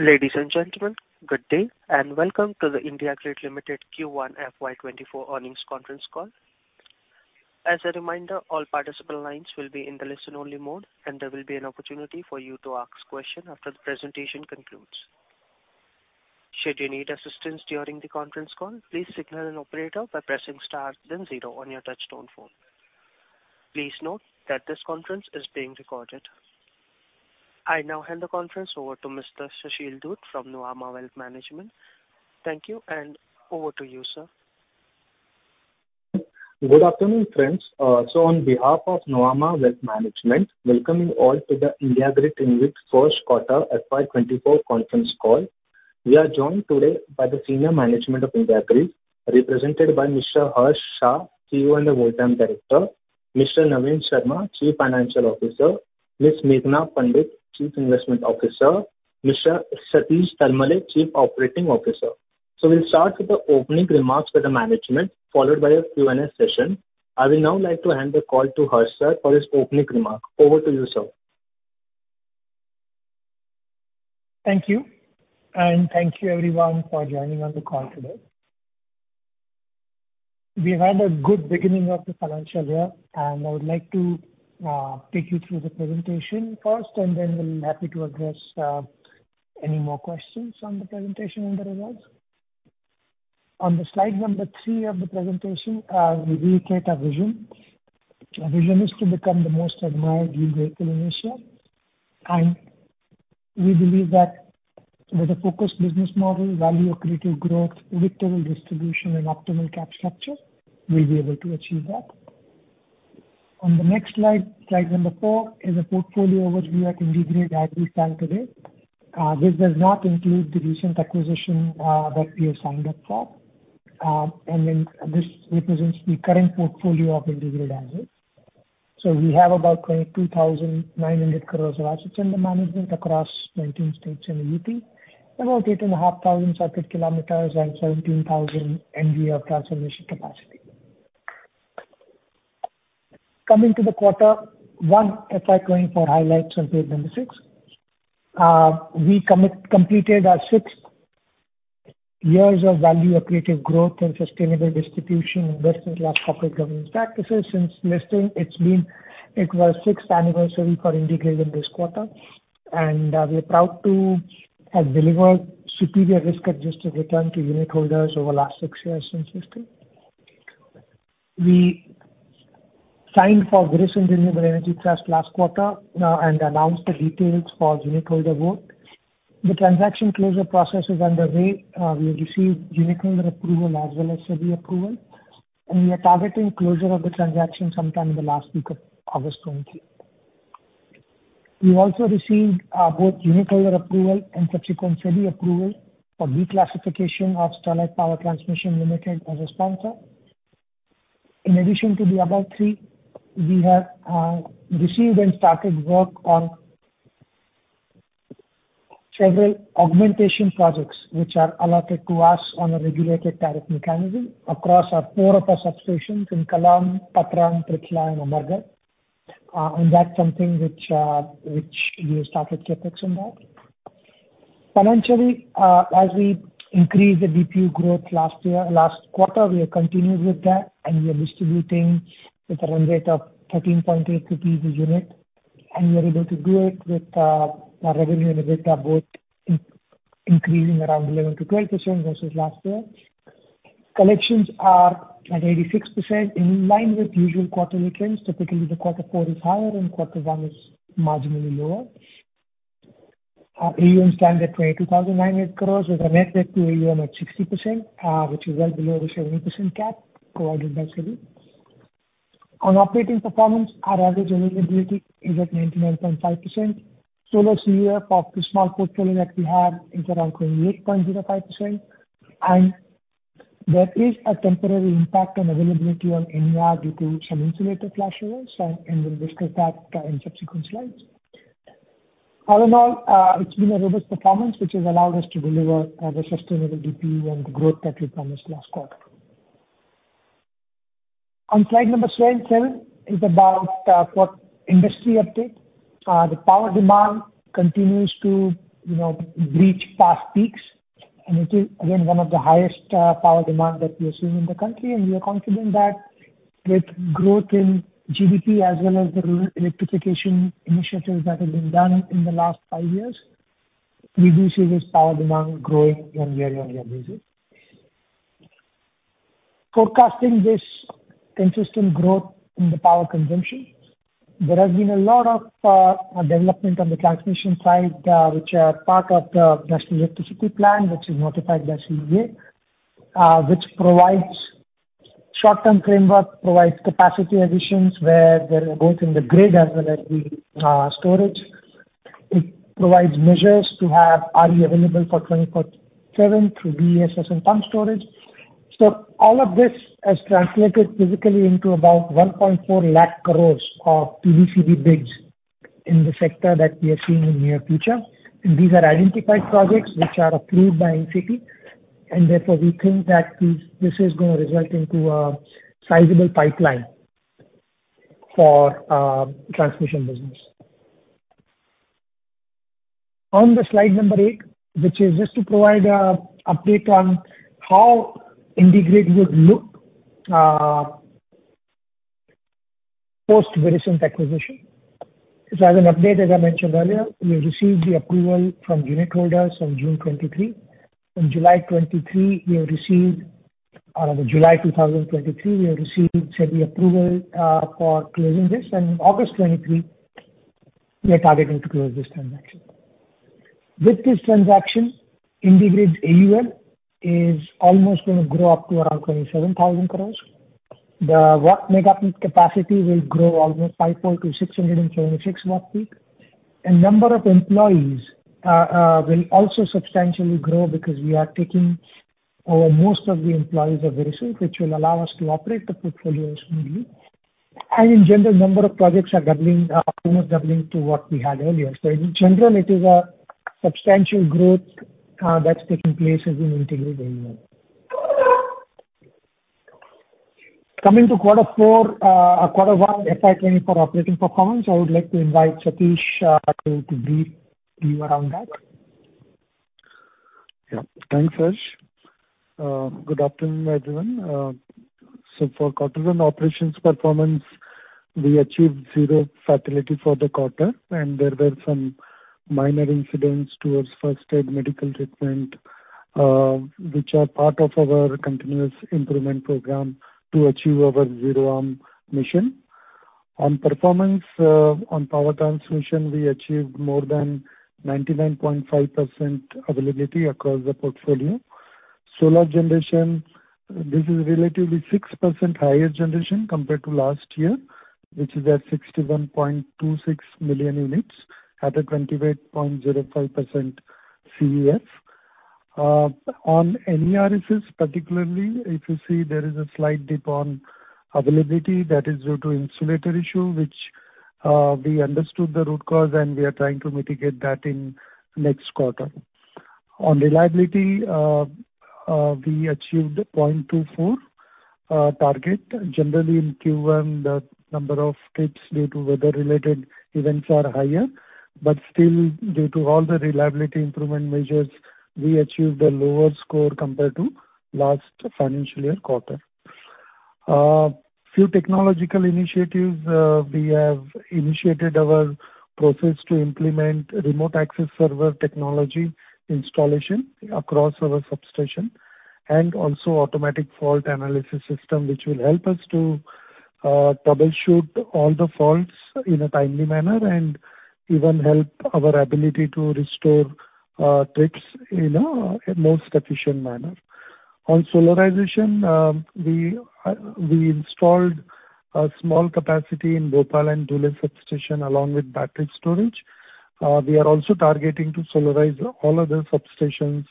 Ladies and gentlemen good day and welcome to the IndiGrid Limited Q1 FY 2024 earnings conference call. As a reminder all participant lines will be in the listen-only mode and there will be an opportunity for you to ask questions after the presentation concludes. Should you need assistance during the conference call please signal an operator by pressing Star then zero on your touchtone phone. Please note that this conference is being recorded. I now hand the conference over to Mr. Sushil Dhoot from Nomura Wealth Management. Thank you and over to you sir. Good afternoon friends. On behalf of Nomura Wealth Management welcoming you all to the IndiGrid Infrastructure Trust first quarter FY 2024 conference call. We are joined today by the senior management of IndiGrid represented by Mr. Harsh Shah, CEO and the Whole Time Director, Mr. Navin Sharma, Chief Financial Officer, Ms. Meghana Pandit, Chief Investment Officer, Mr. Satish Talmale, Chief Operating Officer. We'll start with the opening remarks by the management followed by a Q&A session. I will now like to hand the call to Harsh sir for his opening remark. Over to you sir. Thank you. Thank you everyone for joining on the call today. We've had a good beginning of the financial year. I would like to take you through the presentation first, and then we'll be happy to address any more questions on the presentation and the results. On the slide number three of the presentation we reiterate our vision. Our vision is to become the most admired grid vehicle in Asia. We believe that with a focused business model value accretive growth predictable distribution and optimal cap structure we'll be able to achieve that. On the next slide slide number four, is a portfolio overview at IndiGrid as we stand today. This does not include the recent acquisition that we have signed up for. Then this represents the current portfolio of IndiGrid assets. We have about 22,900 crore of assets under management across 19 states and UT, about 8,500 circuit kilometers and 17,000 MVA of transformation capacity. Coming to the quarter 1 FY going for highlights on page number six. We completed our six years of value accretive growth and sustainable distribution versus corporate governance practices. Since listing it was sixth anniversary for IndiGrid in this quarter. We are proud to have delivered superior risk-adjusted return to unitholders over the last six years since listing. We signed for Virescent Renewable Energy Trust last quarter. Announced the details for unitholder vote. The transaction closure process is underway. We received unitholder approval as well as SEBI approval. We are targeting closure of the transaction sometime in the last week of August 2023. We've also received both unitholder approval and subsequent SEBI approval for declassification of Sterlite Power Transmission Limited as a sponsor. In addition to the above three, we have received and started work on several augmentation projects, which are allotted to us on a Regulated Tariff Mechanism across our four of our substations in Kallam, Patran, Trikha and Amargarh. That's something which we have started CapEx on that. Financially, as we increased the DPU growth last year, last quarter, we are continuing with that, and we are distributing with a run rate of 13.8 rupees a unit, and we are able to do it with our revenue and EBITDA both increasing around 11%-12% versus last year. Collections are at 86%, in line with usual quarterly trends. Typically, the quarter four is higher and quarter one is marginally lower. Our AUMs stand at 22,900 crore, with a net debt to AUM at 60%, which is well below the 70% cap provided by SEBI. On operating performance, our average availability is at 99.5%. Solar CUF for small portfolio that we have is around 28.05%, there is a temporary impact on availability on NER due to some insulator flashovers, and we'll discuss that in subsequent slides. All in all, it's been a robust performance, which has allowed us to deliver the sustainable DPU and the growth that we promised last quarter. On slide number seven is about for industry update. The power demand continues to, you know, reach past peaks, and it is again one of the highest power demand that we are seeing in the country. And we are confident that with growth in GDP as well as the rural electrification initiatives that have been done in the last five years, we do see this power demand growing year on year basis. Forecasting this consistent growth in the power consumption, there has been a lot of development on the transmission side, which are part of the National Electricity Plan, which is notified by CEA, which provides short-term framework, provides capacity additions, where there are both in the grid as well as the storage. It provides measures to have RE available for 24/7 through BESS and pump storage. All of this has translated physically into about 140,000 crore of TBCB bids in the sector that we are seeing in near future. These are identified projects which are approved by NEP, and therefore, we think that this, this is going to result into a sizable pipeline for transmission business. On the slide number 8, which is just to provide a update on how IndiGrid would look post Virescent acquisition. As an update, as I mentioned earlier, we have received the approval from unitholders on June 23. On July 23, we have received July 2023, we have received SEBI approval for closing this, and August 23, we are targeting to close this transaction. With this transaction, IndiGrid's AUM is almost going to grow up to around 27,000 crore. The megawatt-peak capacity will grow almost 538 to 676 megawatt-peak, and number of employees will also substantially grow because we are taking over most of the employees of Virescent, which will allow us to operate the portfolio smoothly. In general, number of projects are doubling, almost doubling to what we had earlier. In general, it is a substantial growth that's taking place as we integrate. Coming to quarter four, quarter one FY 2024 operating performance, I would like to invite Satish Talmale to brief you around that. Yeah. Thanks, Raj. Good afternoon, everyone. For quarter one operations performance, we achieved 0 fatality for the quarter, and there were some minor incidents towards first aid medical treatment, which are part of our continuous improvement program to achieve our 0 arm mission. On performance, on power transmission, we achieved more than 99.5% availability across the portfolio. Solar generation, this is relatively 6% higher generation compared to last year, which is at 61.26 million units at a 28.05% CUF. On NERSS, particularly, if you see there is a slight dip on availability, that is due to insulator issue, which we understood the root cause, and we are trying to mitigate that in next quarter. On reliability, we achieved 0.24 target. Generally, in Q1, the number of trips due to weather-related events are higher. Still, due to all the reliability improvement measures, we achieved a lower score compared to last financial year quarter. Few technological initiatives, we have initiated our process to implement remote access server technology installation across our substation and also automatic fault analysis system, which will help us to troubleshoot all the faults in a timely manner and even help our ability to restore trips in a, a most efficient manner. On solarization, we installed a small capacity in Bhopal and Dhule substation, along with battery storage. We are also targeting to solarize all other substations.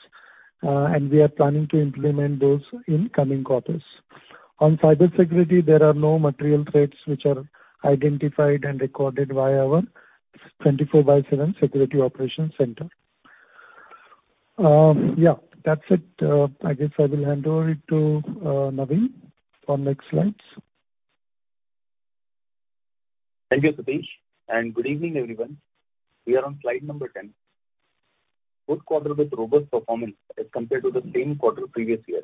We are planning to implement those in coming quarters. On cybersecurity, there are no material threats which are identified and recorded via our 24/7 security operations center. Yeah, that's it. I guess I will hand over it to Navin for next slides. Thank you, Satish. Good evening, everyone. We are on slide number 10. Fourth quarter with robust performance as compared to the same quarter previous year.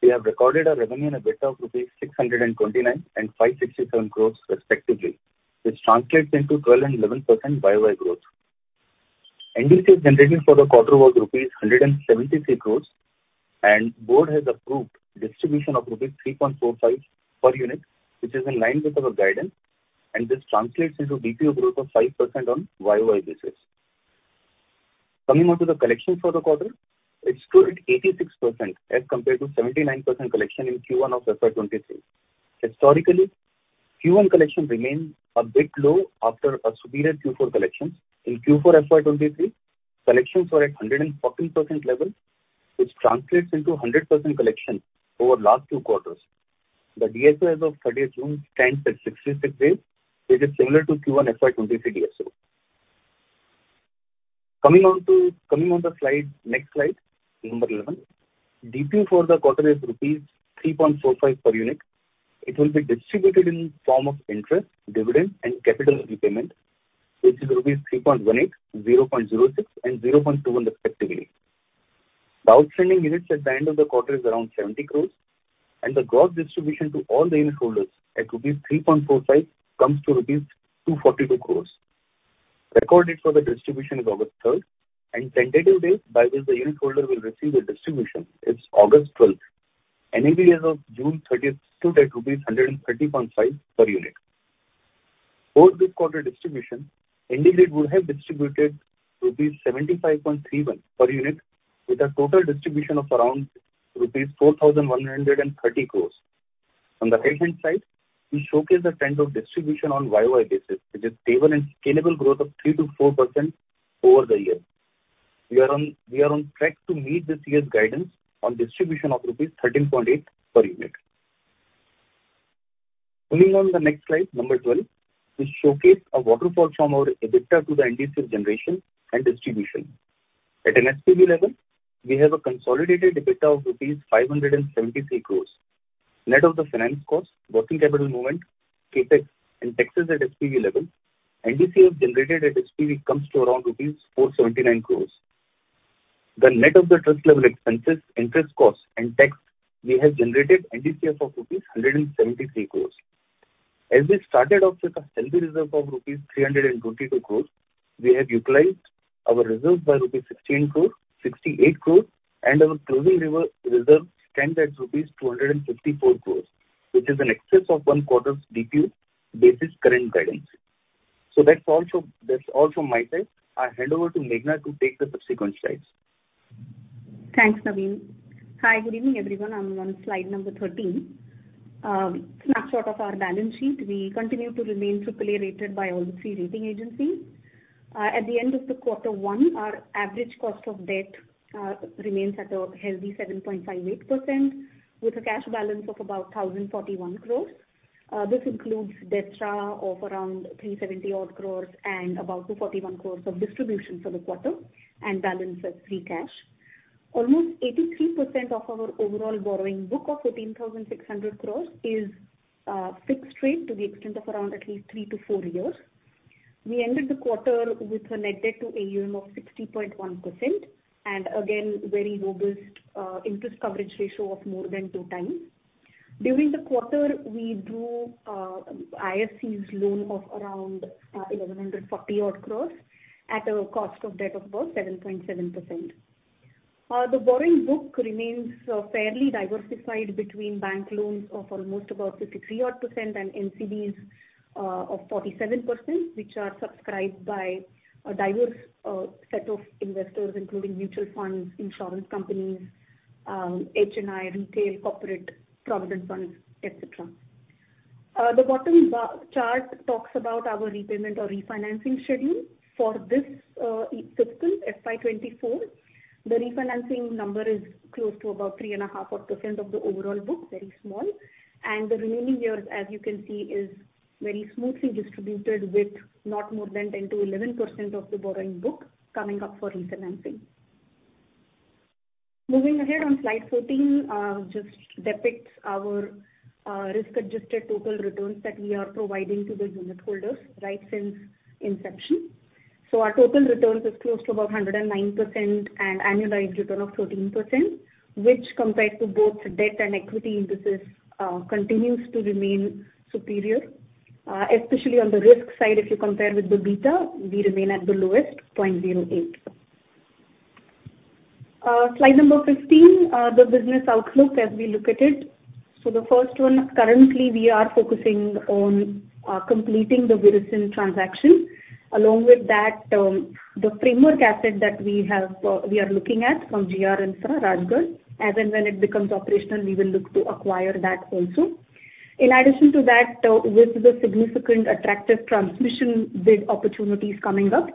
We have recorded a revenue and EBITDA of rupees 629 and 567 crore, respectively, which translates into 12% and 11% YY growth. NDC generation for the quarter was rupees 173 crore, and board has approved distribution of rupees 3.45 per unit, which is in line with our guidance, and this translates into DPU growth of 5% on YY basis. Coming on to the collection for the quarter, it stood at 86% as compared to 79% collection in Q1 of FY 2023. Historically, Q1 collection remains a bit low after a superior Q4 collection. In Q4 FY 2023, collections were at 114% level, which translates into 100% collection over last two quarters. The DSO as of 30th June stands at 66 days, which is similar to Q1 FY 2023 DSO. Coming on the slide, next slide, number 11. DPU for the quarter is rupees 3.45 per unit. It will be distributed in form of interest, dividend, and capital repayment, which is rupees 3.18, 0.06, and 0.21 respectively. The outstanding units at the end of the quarter is around 70 crores, and the gross distribution to all the unitholders at rupees 3.45 comes to rupees 242 crores. Record date for the distribution is August 3rd, and tentative date by which the unitholder will receive the distribution is August 12th. NAV as of June 30th stood at INR 130.5 per unit. For this quarter distribution, IndiGrid would have distributed rupees 75.31 per unit, with a total distribution of around rupees 4,130 crore. On the right-hand side, we showcase the trend of distribution on year-over-year basis, which is stable and scalable growth of 3%-4% over the year. We are on track to meet this year's guidance on distribution of rupees 13.8 per unit. Moving on the next slide, number 12. We showcase a waterfall from our EBITDA to the NDC generation and distribution. At an SPV level, we have a consolidated EBITDA of rupees 573 crore. Net of the finance cost, working capital movement, CapEx, and taxes at SPV level, NDCF generated at SPV comes to around INR 479 crore. The net of the trust level expenses, interest costs, and tax, we have generated NDCF of rupees 173 crore. As we started off with a healthy reserve of rupees 322 crore, we have utilized our reserves by rupees 16 crore, 68 crore, and our closing reserve stands at rupees 254 crore, which is in excess of one quarter's DPU, based on current guidance. That's all from, that's all from my side. I hand over to Meghana to take the subsequent slides. Thanks, Navin. Hi, good evening, everyone. I'm on slide number 13. Snapshot of our balance sheet. We continue to remain AAA rated by all the three rating agencies. At the end of the Quarter One, our average cost of debt remains at a healthy 7.58%, with a cash balance of about 1,041 crore. This includes debt tra of around 370 odd crore and about 241 crore of distribution for the quarter, and balance as free cash. Almost 83% of our overall borrowing book of 13,600 crore is fixed rate to the extent of around at least 3 years-4 years. We ended the quarter with a net debt to AUM of 60.1%, and again, very robust interest coverage ratio of more than two times. During the quarter, we drew IFC's loan of around 1,140 crore at a cost of debt of about 7.7%. The borrowing book remains fairly diversified between bank loans of almost about 53% and NCDs of 47%, which are subscribed by a diverse set of investors, including mutual funds, insurance companies, HNI, retail, corporate, provident funds, et cetera. The bottom chart talks about our repayment or refinancing schedule. For this fiscal, FY2024, the refinancing number is close to about 3.5% of the overall book, very small. The remaining years, as you can see, is very smoothly distributed, with not more than 10%-11% of the borrowing book coming up for refinancing. Moving ahead on slide 14, just depicts our risk-adjusted total returns that we are providing to the unitholders right since inception. Our total returns is close to about 109% and annualized return of 13%, which compared to both debt and equity indices, continues to remain superior. Especially on the risk side, if you compare with the beta, we remain at the lowest, 0.08. Slide number 15, the business outlook as we look at it. The first one, currently we are focusing on completing the Virescent transaction. Along with that, the framework asset that we have, we are looking at from GR and Rajgarh, as and when it becomes operational, we will look to acquire that also. In addition to that, with the significant attractive transmission bid opportunities coming up,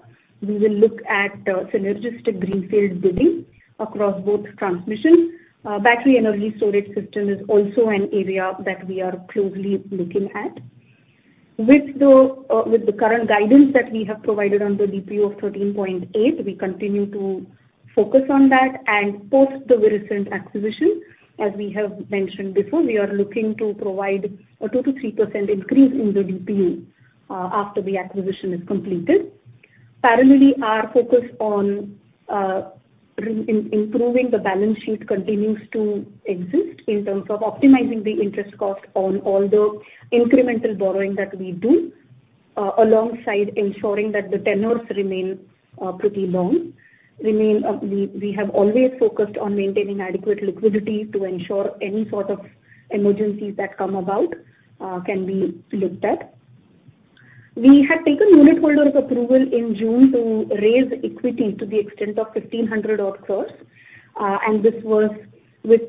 we will look at synergistic greenfield bidding across both transmissions. Battery energy storage system is also an area that we are closely looking at. With the current guidance that we have provided on the DPU of 13.8, we continue to focus on that. Post the Virescent acquisition, as we have mentioned before, we are looking to provide a 2%-3% increase in the DPU after the acquisition is completed. Parallelly, our focus on improving the balance sheet continues to exist in terms of optimizing the interest cost on all the incremental borrowing that we do alongside ensuring that the tenures remain pretty long. Remain, we have always focused on maintaining adequate liquidity to ensure any sort of emergencies that come about, can be looked at. We had taken unitholders' approval in June to raise equity to the extent of 1,500 odd crore. This was with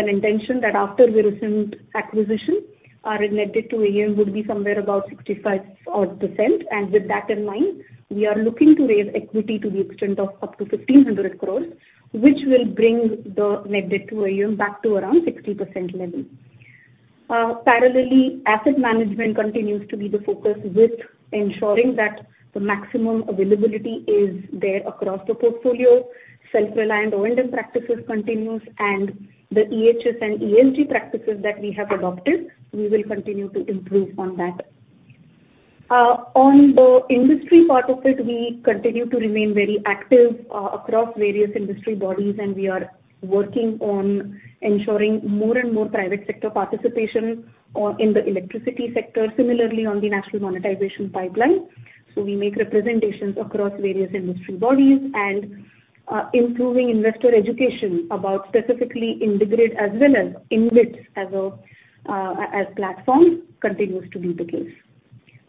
an intention that after Virescent acquisition, our net debt to AUM would be somewhere about 65 odd %. With that in mind, we are looking to raise equity to the extent of up to 1,500 crore, which will bring the net debt to AUM back to around 60% level. Parallelly, asset management continues to be the focus with ensuring that the maximum availability is there across the portfolio. Self-reliant O&M practices continues, and the EHS and ESG practices that we have adopted, we will continue to improve on that. On the industry part of it, we continue to remain very active across various industry bodies, and we are working on ensuring more and more private sector participation in the electricity sector. Similarly, on the National Monetisation Pipeline. We make representations across various industry bodies, and improving investor education about specifically IndiGrid as well as InvITs as a platform continues to be the case.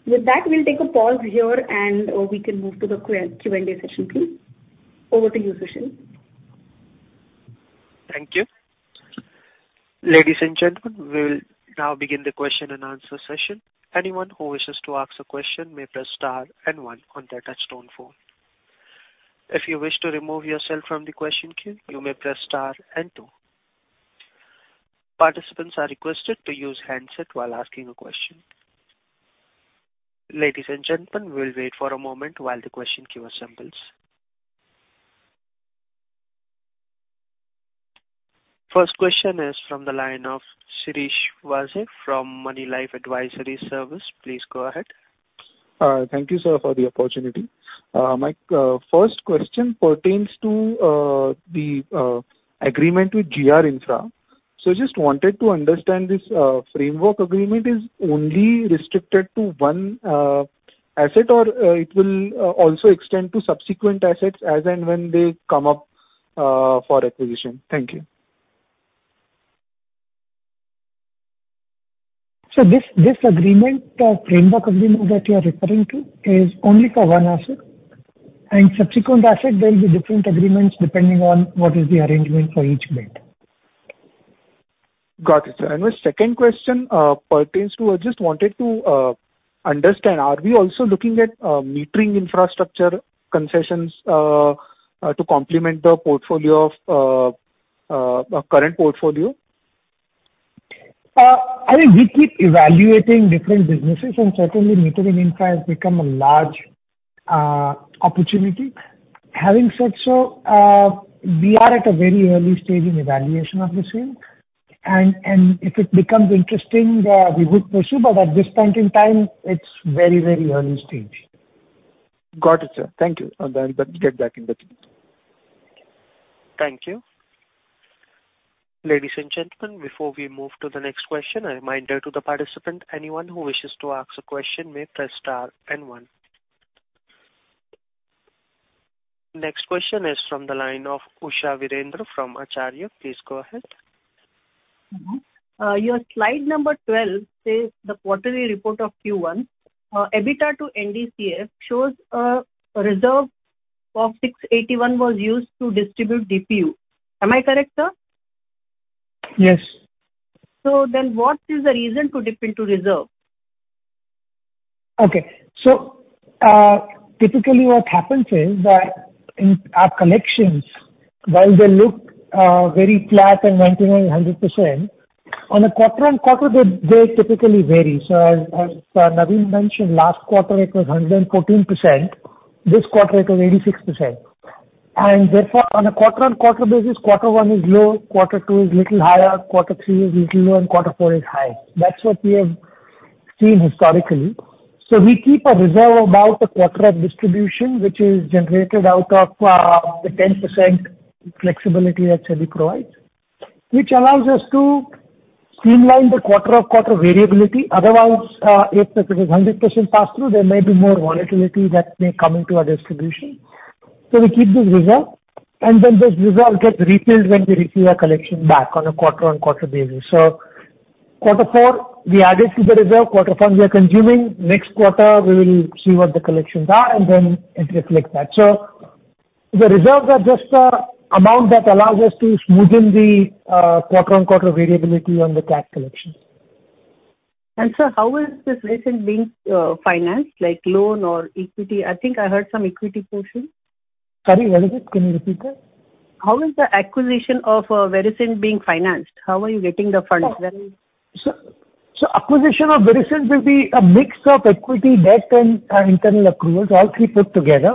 With that, we'll take a pause here and we can move to the Q&A session, please. Over to you, Sushil. Thank you. Ladies and gentlemen, we will now begin the question and answer session. Anyone who wishes to ask a question may press star and one on their touch-tone phone. If you wish to remove yourself from the question queue, you may press star and two. Participants are requested to use handset while asking a question.... Ladies and gentlemen, we'll wait for a moment while the question queue assembles. First question is from the line of Shirish Wase from Moneylife Advisory Services. Please go ahead. Thank you, sir, for the opportunity. My first question pertains to the agreement with GR Infra. Just wanted to understand this framework agreement is only restricted to one asset, or it will also extend to subsequent assets as and when they come up for acquisition? Thank you. This, this agreement, or framework agreement that you are referring to, is only for one asset, and subsequent asset, there will be different agreements depending on what is the arrangement for each bid. Got it sir. My second question pertains to, I just wanted to understand, are we also looking at metering infrastructure concessions to complement the portfolio of our current portfolio? I mean, we keep evaluating different businesses, and certainly metering infra has become a large opportunity. Having said so, we are at a very early stage in evaluation of the same, and, and if it becomes interesting, we would pursue, but at this point in time, it's very, very early stage. Got it, sir. Thank you. Then, let's get back in the queue. Thank you. Ladies and gentlemen, before we move to the next question, a reminder to the participant, anyone who wishes to ask a question may press star and one. Next question is from the line of Usha Virendra from Acharya. Please go ahead. Mm-hmm. Your slide number 12 says the quarterly report of Q1 EBITDA to NDCF shows a reserve of 681 was used to distribute DPU. Am I correct, sir? Yes. What is the reason to dip into reserve? Typically, what happens is that in our collections while they look very flat and 99%, 100%, on a quarter-on-quarter they typically vary. As Navin mentioned, last quarter it was 114% this quarter it was 86%. Therefore on a quarter-on-quarter basis quarter one is low, quarter two is little higher, quarter three is little low, and quarter four is high. That's what we have seen historically. We keep a reserve about the quarter of distribution, which is generated out of the 10% flexibility that SEBI provides, which allows us to streamline the quarter-on-quarter variability. Otherwise, if it was 100% pass-through, there may be more volatility that may come into our distribution. We keep this reserve, and then this reserve gets refilled when we receive our collection back on a quarter-on-quarter basis. Q4 we added to the reserve, Q1 we are consuming. Next quarter, we will see what the collections are, and then it reflects that. The reserves are just amount that allows us to smoothen the quarter-on-quarter variability on the tax collections. Sir how is this recent being financed like loan or equity? I think I heard some equity portion. Sorry what is it? Can you repeat that? How is the acquisition of Virescent being financed? How are you getting the funds then? Acquisition of Virescent will be a mix of equity, debt, and internal accruals, all three put together.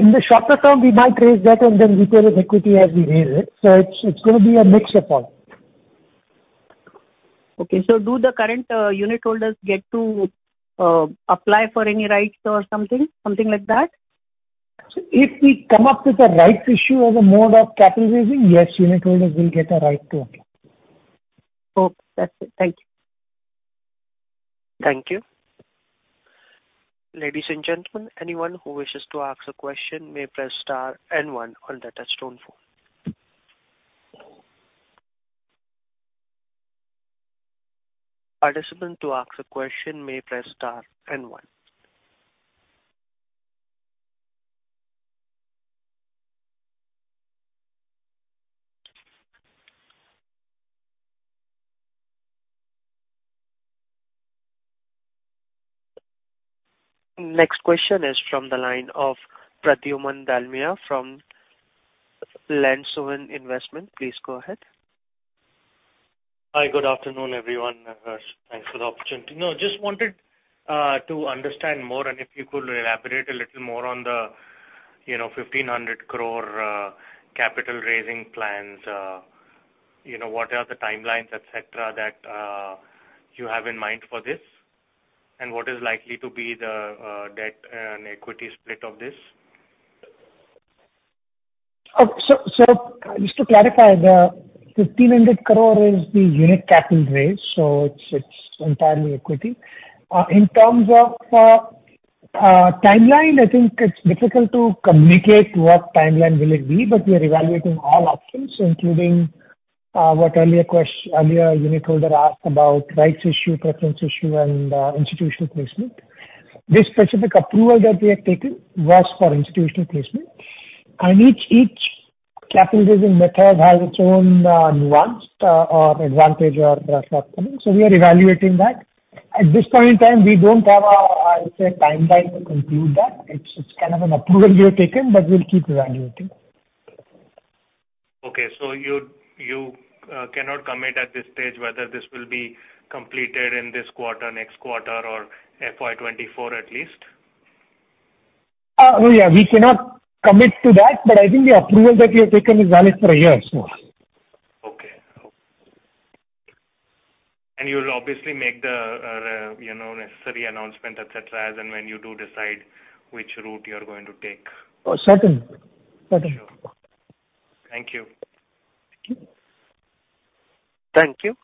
In the shorter term we might raise debt and then replenish equity as we raise it so it's gonna be a mixture of all. Okay. Do the current unit holders get to apply for any rights or something, something like that? If we come up with a rights issue as a mode of capital raising, yes, unit holders will get a right to apply. Okay That's it, Thank you. Thank you. Ladies and gentlemen, anyone who wishes to ask a question may press star and one on the touchtone phone. Participants to ask a question may press star and one. Next question is from the line of Pradyumna Dalmia from Lansdowne Investment Company. Please go ahead. Hi, good afternoon, everyone. Thanks for the opportunity. No, just wanted to understand more, and if you could elaborate a little more on the, you know, 1,500 crore capital raising plans. You know, what are the timelines, et cetera, that you have in mind for this? What is likely to be the debt and equity split of this? So just to clarify the 1,500 crore is the unit capital raise so it's entirely equity. In terms of timeline I think it's difficult to communicate what timeline will it be but we are evaluating all options including what earlier unitholder asked about rights issue, preference issue and institutional placement. This specific approval that we have taken was for institutional placement and each capital raising method has its own nuance or advantage or risk happening so we are evaluating that. At this point in time we don't have a timeline to conclude that. It's kind of an approval we have taken but we'll keep evaluating. ...You, you, cannot commit at this stage whether this will be completed in this quarter, next quarter, or FY 2024, at least? Yeah, we cannot commit to that but I think the approval that we have taken is valid for a year. Okay. You'll obviously make the, you know, necessary announcement et cetera as and when you do decide which route you're going to take. Oh certain. Certain. Thank you. Thank you. Thank you.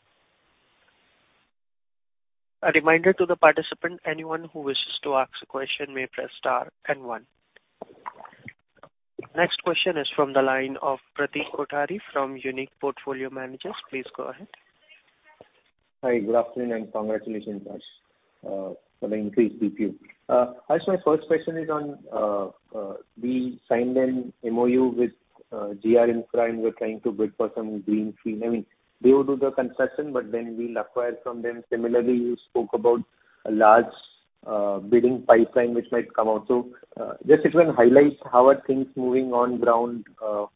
A reminder to the participant, anyone who wishes to ask a question may press star and 1. Next question is from the line of Pratik Kothari from Unique Portfolio Managers. Please go ahead. Hi, good afternoon. Congratulations, for the increased DPU. First, my first question is on, we signed an MOU with, GR Infra, and we're trying to bid for some green field. I mean, they will do the construction, but then we'll acquire from them. Similarly, you spoke about a large, bidding pipeline, which might come out. Just if you can highlight how are things moving on ground?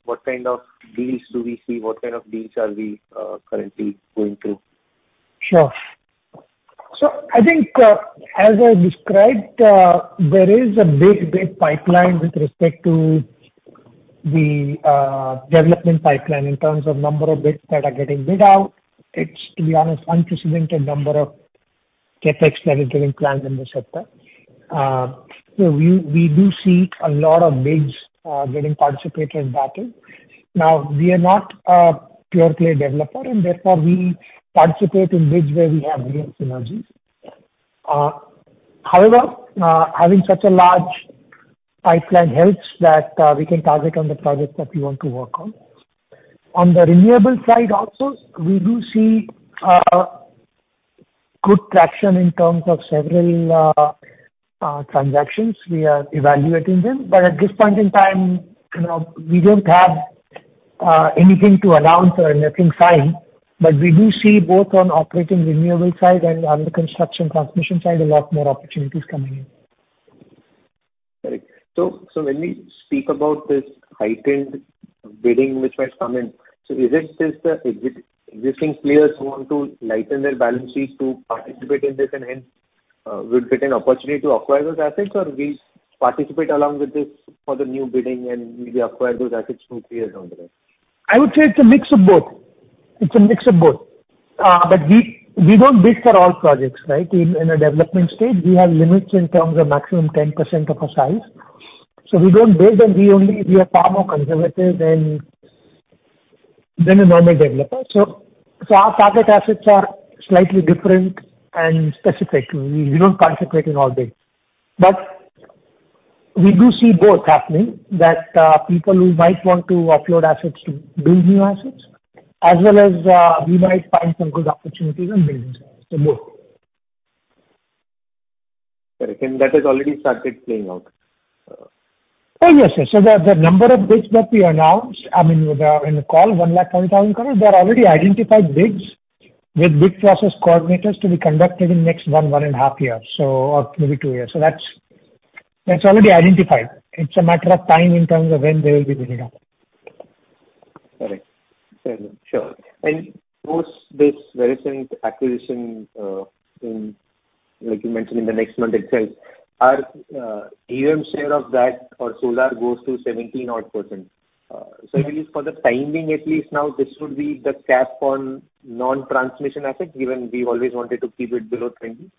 What kind of deals do we see? What kind of deals are we, currently going through? Sure. I think as I described there is a big, big pipeline with respect to the development pipeline in terms of number of bids that are getting bid out. It's, to be honest unprecedented number of CapEx that is getting planned in the sector. We, we do see a lot of bids getting participated in battle. Now, we are not a pure play developer and therefore we participate in bids where we have real synergies. However, having such a large pipeline helps that we can target on the projects that we want to work on. On the renewable side also we do see good traction in terms of several transactions. We are evaluating them, but at this point in time, you know, we don't have anything to announce or nothing signed. We do see both on operating renewable side and on the construction transmission side a lot more opportunities coming in. Right. When we speak about this heightened bidding which might come in, is it just the existing players who want to lighten their balance sheets to participate in this and hence, we'll get an opportunity to acquire those assets, or we participate along with this for the new bidding and maybe acquire those assets 2, 3 years down the road? I would say it's a mix of both. It's a mix of both. We don't bid for all projects, right? In, in a development stage, we have limits in terms of maximum 10% of our size. We don't bid, and we only are far more conservative than a normal developer. Our target assets are slightly different and specific. We don't participate in all bids. We do see both happening, that, people who might want to offload assets to build new assets, as well as, we might find some good opportunities and build themselves, so both. Correct. That has already started playing out? Oh, yes, yes. The, the number of bids that we announced, I mean, in the call, 120,000 crore, they're already identified bids, with bid process coordinators to be conducted in the next 1, 1.5 years, or maybe 2 years. That's, that's already identified. It's a matter of time in terms of when they will be bidding out. Correct. Sure. Post this very recent acquisition, in, like you mentioned, in the next month itself, our EM share of that for solar goes to 70%. At least for the timing, at least now, this would be the cap on non-transmission assets, given we always wanted to keep it below 20?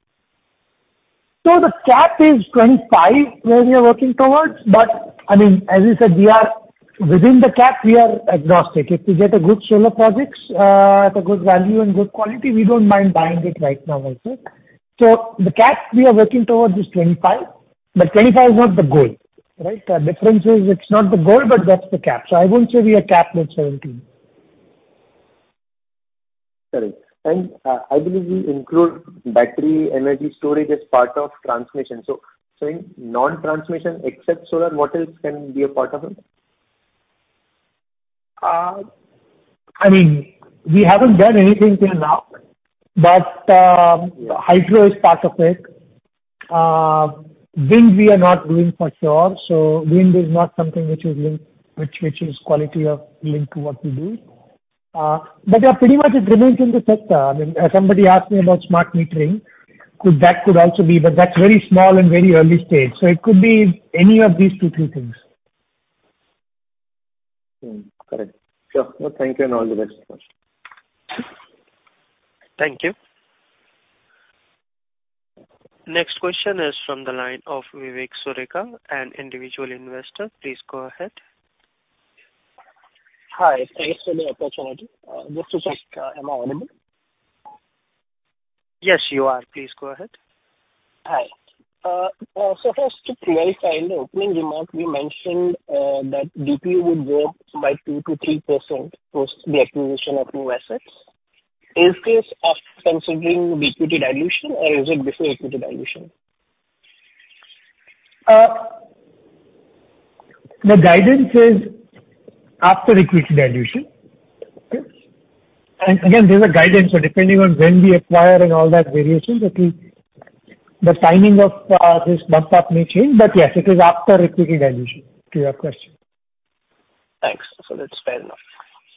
The cap is 25, where we are working towards. I mean, as you said, we are within the cap, we are agnostic. If we get a good solar projects at a good value and good quality, we don't mind buying it right now also. The cap we are working towards is 25, but 25 is not the goal, right? The difference is it's not the goal, but that's the cap. I won't say we are capped at 17. Correct. I believe you include battery energy storage as part of transmission. In non-transmission, except solar, what else can be a part of it? I mean, we haven't done anything till now, but hydro is part of it. Wind, we are not doing for sure, so wind is not something which is link, which, which is quality of link to what we do. They are pretty much it remains in the sector. I mean, somebody asked me about smart metering. That could also be, but that's very small and very early stage, so it could be any of these two, three things. Hmm, correct. Sure. Thank you, and all the best. Thank you. Next question is from the line of Vivek Sureka, an individual investor. Please go ahead. Hi, thanks for the opportunity. Just to check, am I audible? Yes, you are. Please go ahead. Hi. First to clarify, in the opening remark, we mentioned, that DPU would grow by 2%-3% post the acquisition of new assets. Is this after considering the equity dilution, or is it before equity dilution? The guidance is after equity dilution. Okay? Again, these are guidance, so depending on when we acquire and all that variations. The timing of this bump up may change, but yes, it is after repeated valuation, to your question. Thanks. That's fair enough.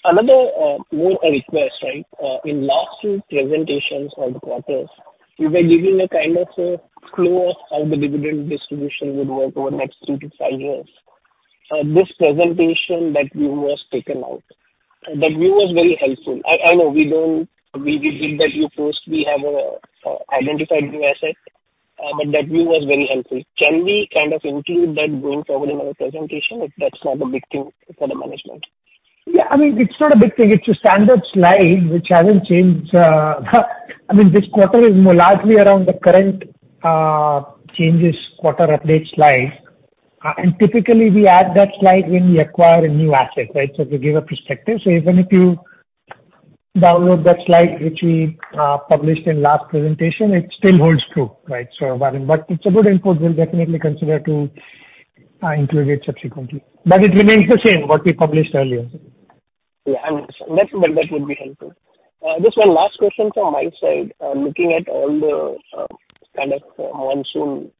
Another, more request, right? In last two presentations on quarters, you were giving a kind of a clue of how the dividend distribution would work over the next 2 years-5 years. This presentation, that view was taken out. That view was very helpful. I know we read that you first we have identified new asset, that view was very helpful. Can we kind of include that going forward in our presentation, if that's not a big thing for the management? Yeah, I mean, it's not a big thing. It's a standard slide, which hasn't changed, I mean, this quarter is more largely around the current changes, quarter update slide. Typically, we add that slide when we acquire a new asset, right? To give a perspective. Even if you download that slide, which we published in last presentation, it still holds true, right? It's a good input. We'll definitely consider to include it subsequently. It remains the same, what we published earlier. Yeah, and that, that would be helpful. Just 1 last question from my side. Looking at all the kind of monsoon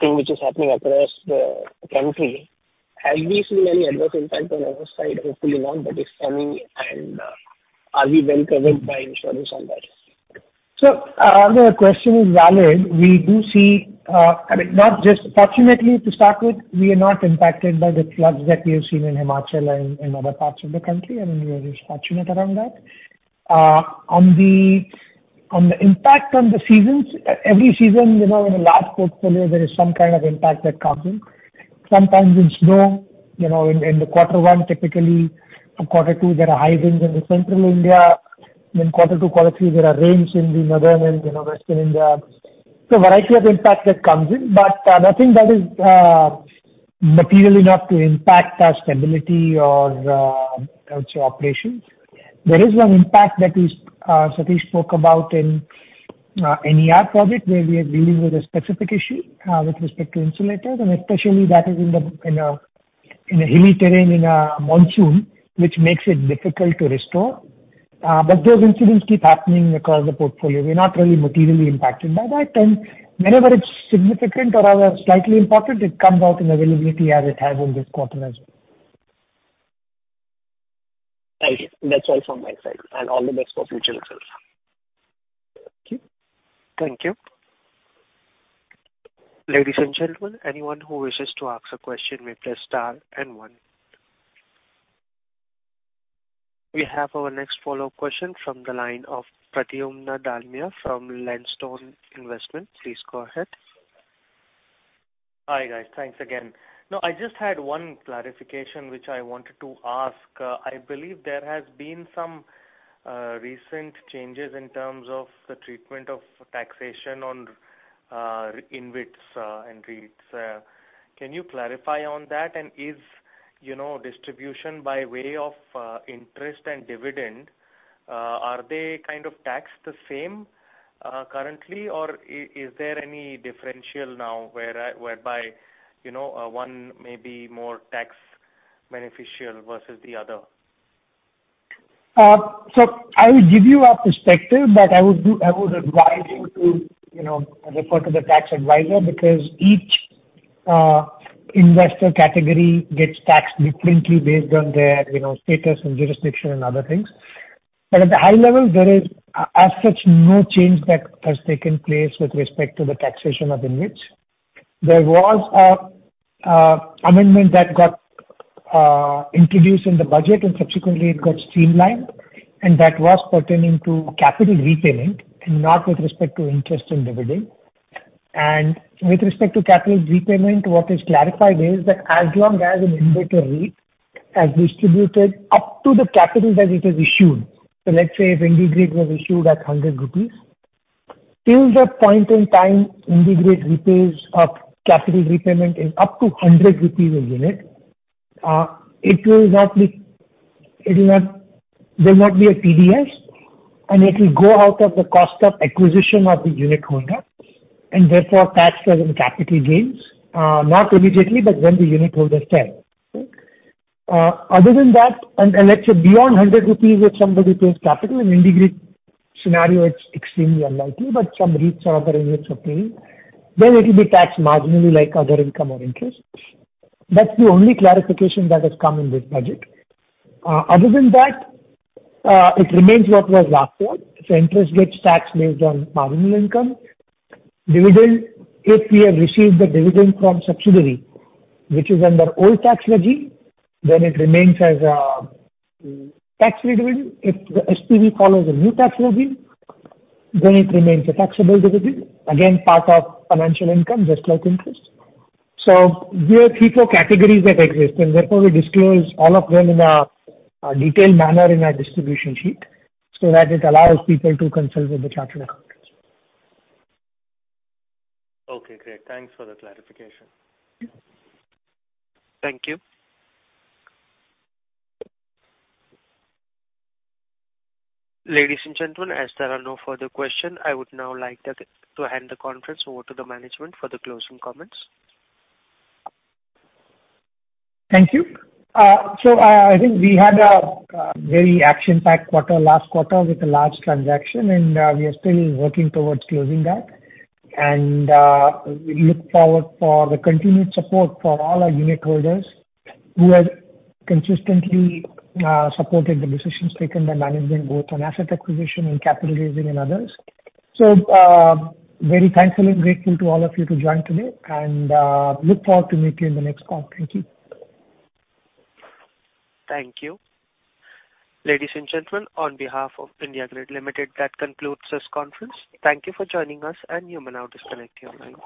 thing which is happening across the country, have we seen any adverse impact on our side? Hopefully not, but it's coming, and are we well covered by insurance on that? The question is valid. We do see, I mean, not just... Fortunately, to start with, we are not impacted by the floods that we have seen in Himachal and, and other parts of the country. I mean, we are just fortunate around that. On the, on the impact on the seasons, every season, you know, in a large portfolio, there is some kind of impact that comes in. Sometimes it's snow, you know, in, in the quarter one, typically, in quarter two, there are high winds in the central India. In quarter two, quarter three, there are rains in the northern and, you know, western India. A variety of impact that comes in, but nothing that is material enough to impact our stability or our operations. There is one impact that is, Satish spoke about in, in ER project, where we are dealing with a specific issue, with respect to insulators, and especially that is in the, in a, in a hilly terrain, in a monsoon, which makes it difficult to restore. Those incidents keep happening across the portfolio. We're not really materially impacted by that, and whenever it's significant or, slightly important, it comes out in availability as it has in this quarter as well. Thank you. That's all from my side. All the best for future results. Thank you. Thank you. Ladies and gentlemen, anyone who wishes to ask a question, may press star and one. We have our next follow-up question from the line of Pradyumna Dalmia from Lansdowne Investment. Please go ahead. Hi, guys. Thanks again. Now, I just had one clarification, which I wanted to ask. I believe there has been some recent changes in terms of the treatment of taxation on InvITs and REITs. Can you clarify on that? Is, you know, distribution by way of interest and dividend, are they kind of taxed the same currently, or is there any differential now, whereby, you know, one may be more tax beneficial versus the other? I would give you a perspective, but I would advise you to, you know, refer to the tax advisor because each, investor category gets taxed differently based on their, you know, status and jurisdiction and other things. At the high level, there is as such, no change that has taken place with respect to the taxation of InvITs. There was a amendment that got introduced in the budget, and subsequently it got streamlined, and that was pertaining to capital repayment and not with respect to interest and dividend. With respect to capital repayment, what is clarified is that as long as an InvIT or REIT has distributed up to the capital that it has issued, so let's say if IndiGrid was issued at 100 rupees, till that point in time, IndiGrid repays a capital repayment is up to 100 rupees a unit, there'll not be a TDS, and it will go out of the cost of acquisition of the unitholder, and therefore, taxed as in capital gains. Not immediately, but when the unitholder sell. Okay? Other than that, let's say beyond 100 rupees, if somebody pays capital, in IndiGrid scenario, it's extremely unlikely, but some REITs or other InvITs are paying, then it will be taxed marginally like other income or interest. That's the only clarification that has come in this budget. Other than that, it remains what was last year. Interest gets taxed based on marginal income. Dividend, if we have received the dividend from subsidiary, which is under old tax regime, then it remains as a tax dividend. If the SPV follows a new tax regime, then it remains a taxable dividend, again, part of financial income, just like interest. There are three, four categories that exist, and therefore, we disclose all of them in a, a detailed manner in our distribution sheet, so that it allows people to consult with the chartered accountants. Okay, great. Thanks for the clarification. Thank you. Thank you. Ladies and gentlemen, as there are no further questions, I would now like to hand the conference over to the management for the closing comments. Thank you. I think we had a very action-packed quarter last quarter with a large transaction. We are still working towards closing that. We look forward for the continued support for all our unitholders who have consistently supported the decisions taken by management, both on asset acquisition and capital raising and others. Very thankful and grateful to all of you to join today, and look forward to meeting you in the next call. Thank you. Thank you. Ladies and gentlemen, on behalf of IndiGrid Limited, that concludes this conference. Thank you for joining us, and you may now disconnect your lines.